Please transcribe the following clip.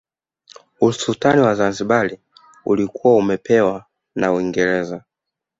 Usultani wa Zanzibar ulikuwa umepewa na Uingereza